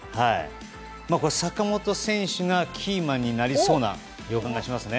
坂本選手がキーマンになりそうな予感がしますね。